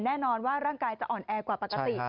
แน่นอนว่าร่างกายจะอ่อนแอกว่าปกติ